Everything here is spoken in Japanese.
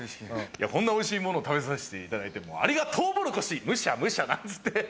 こんなおいしいもの食べさせていただいてありがとうもろこしムシャムシャなんつって。